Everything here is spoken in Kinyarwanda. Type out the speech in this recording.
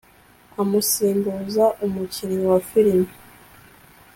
amusimbuza umukinnyi wa filime